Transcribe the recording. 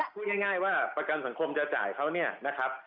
พูดง่ายว่าประกันสังคมจะจ่ายเขาเนี่ยนะครับ